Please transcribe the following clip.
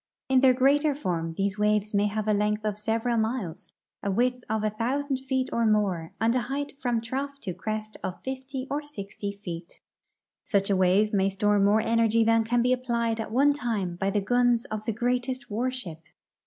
In their greater form these Avaves may have a length of seA^eral miles, a Avidth of a thousand feet or more, and a height from trough to crest of fifty or sixty feet. Such a Avave may store more energy than can be applied at one time by the guns of the greatest Avarship.